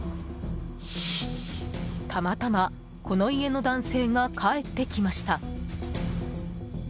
たまたまこの家の男性が帰ってきました。